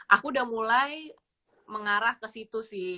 aku udah mulai mengarah ke situ sih